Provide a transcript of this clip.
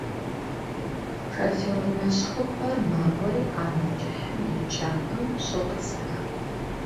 Шофёр нэщхъыфӀэр макӀуэри ӏэнэ кӀыхьым и кӀапэм щотӀысэх.